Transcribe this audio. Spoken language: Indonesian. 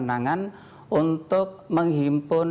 atau menghimpun dana untuk menghimpun dana